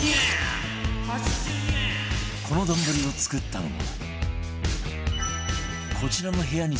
この丼を作ったのは